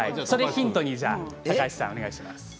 それをヒントに高橋さんお願いします。